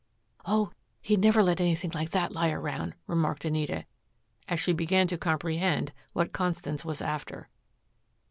"Oh, he'd never let anything like that lie around," remarked Anita, as she began to comprehend what Constance was after.